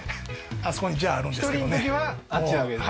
あそこにジャーあるんですけどね